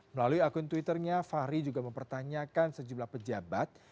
melalui akun twitternya fahri juga mempertanyakan sejumlah pejabat